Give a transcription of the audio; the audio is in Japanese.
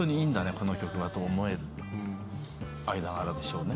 この曲は」と思える間柄でしょうね。